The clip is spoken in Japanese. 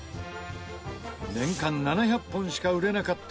年間７００本しか売れなかった